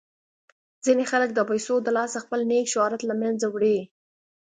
ځینې خلک د پیسو د لاسه خپل نیک شهرت له منځه وړي.